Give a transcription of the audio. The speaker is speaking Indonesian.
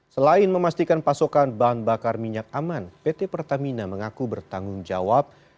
selain memastikan pasokan bahan bakar minyak aman pt pertamina mengaku bertanggung jawab